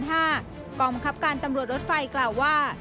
กองบังคับการตำรวจรถไฟกล่าวว่า